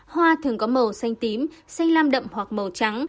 hoa thường có màu xanh tím xanh lam đậm hoặc màu trắng